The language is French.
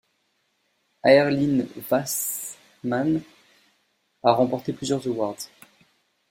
Aerlyn Weissman a remporté plusieurs Awards.